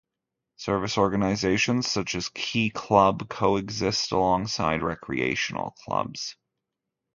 Service organizations such as Key Club coexist alongside recreational clubs.